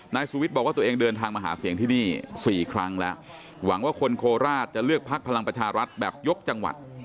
นายสุวิทย์บอกว่าตัวเองเดินทางมาหาเสียงที่นี่๔ครั้งแล้วหวังว่าคนโคราชจะเลือกพักพลังประชารัฐแบบยกจังหวัด